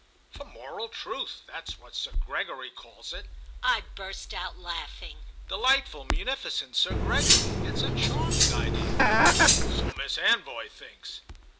"For Moral Truth. That's what Sir Gregory calls it." I burst out laughing. "Delightful munificent Sir Gregory! It's a charming idea." "So Miss Anvoy thinks."